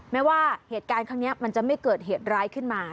แม้ว่าเหตุการณ์ครั้งนี้มันจะไม่เกิดเหตุร้ายขึ้นมา